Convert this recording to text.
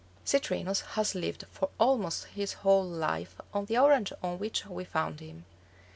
Citrinus has lived for almost his whole life on the orange on which we found him.